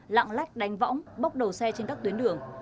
lạng lách đánh võng bốc đầu xe trên các tuyến đường